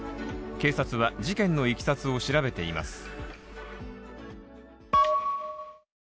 警察は事件のいきさつを調べています。